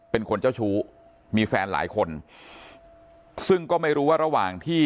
เป็นคนเจ้าชู้มีแฟนหลายคนซึ่งก็ไม่รู้ว่าระหว่างที่